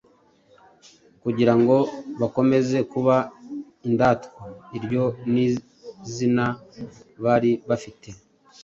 kugirango bakomeze kuba "Indatwa" iryo ni izina bari bafite,